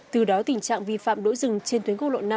từ đó tình trạng vi phạm đỗ rừng trên tuyến quốc lộ năm